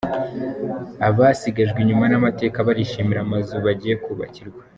Abasigajwe inyuma n’amateka barishimira amazu bagiye kubakirwa